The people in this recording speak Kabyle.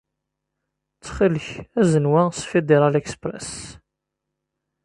Ttxil-k, azen wa s Federal Express.